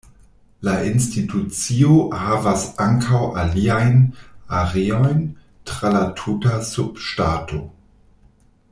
La institucio havas ankaŭ aliajn areojn tra la tuta subŝtato.